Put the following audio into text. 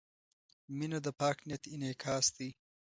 • مینه د پاک نیت انعکاس دی.